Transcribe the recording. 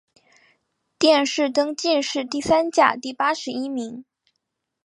殿试登进士第三甲第八十一名。